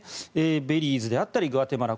ベリーズであったり、グアテマラ